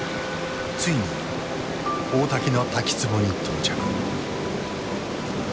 ついに大滝の滝つぼに到着。